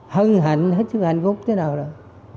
hân hạnh hết sức hạnh phúc thế nào rồi